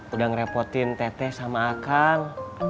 udah ngerepotin tete sama akal